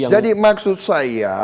jadi maksud saya